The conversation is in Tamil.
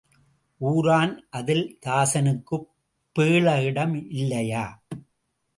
ஊரான் ஆகில் தாசனுக்குப் பேள இடம் இல்லையா?